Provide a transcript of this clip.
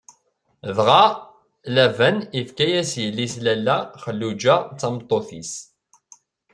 Dɣa Laban ifka-as yelli-s Lalla Xelluǧa d tameṭṭut-is.